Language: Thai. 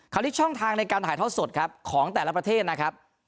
ลิกช่องทางในการถ่ายทอดสดครับของแต่ละประเทศนะครับ